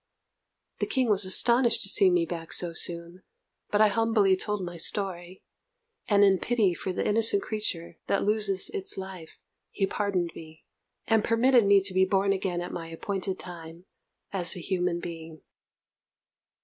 The King was astonished to see me back so soon, but I humbly told my story, and, in pity for the innocent creature that loses its life, he pardoned me, and permitted me to be born again at my appointed time as a human being.